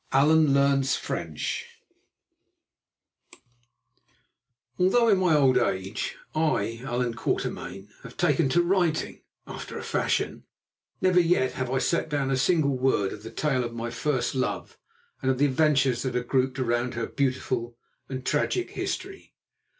ALLAN LEARNS FRENCH Although in my old age I, Allan Quatermain, have taken to writing—after a fashion—never yet have I set down a single word of the tale of my first love and of the adventures that are grouped around her beautiful and tragic history.